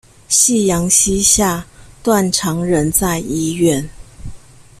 夕陽西下，斷腸人在醫院